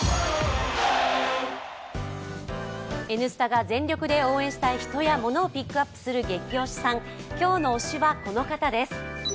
「Ｎスタ」が全力で応援したい人やモノをピックアップする「ゲキ推しさん」、今日の推しはこの方です。